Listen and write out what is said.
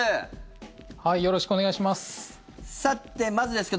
よろしくお願いします。